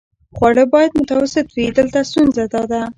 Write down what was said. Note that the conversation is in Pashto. خواړه باید متوسط وي، دلته ستونزه داده.